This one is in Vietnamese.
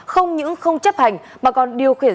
không những không chấp hành mà còn điều khiển